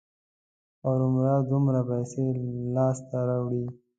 ارومرو دومره پیسې لاسته راوړي.